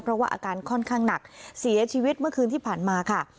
เพราะว่าอาการค่อนข้างหนักเสียชีวิตเมื่อคืนที่ผ่านมาค่ะ